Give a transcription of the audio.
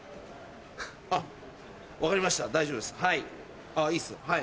あっ分かりました大丈夫ですいいっすはい。